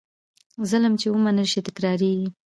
ظلم چې ومنل شي، تکرارېږي.